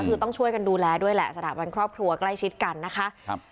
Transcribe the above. คือต้องช่วยกันดูแลด้วยแหละสถาบันครอบครัวใกล้ชิดกันนะคะครับ